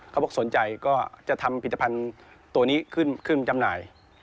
เขาบอกสนใจก็จะทำผลิตภัณฑ์ตัวนี้ขึ้นจำหน่าย